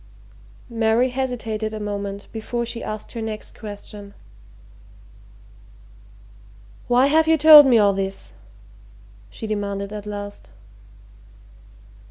Mary hesitated a moment before she asked her next question. "Why have you told me all this?" she demanded at last.